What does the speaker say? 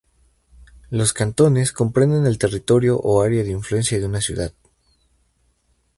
Los cantones comprenden el territorio o área de influencia de una ciudad.